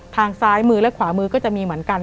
ทางซ้ายมือและขวามือก็จะมีเหมือนกัน